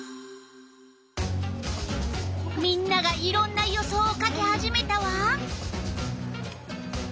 みんながいろんな予想を書き始めたわ。